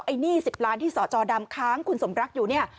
ไอ้หนี้สิบล้านที่สอดจอดำค้างคุณสมรักษ์อยู่เนี่ย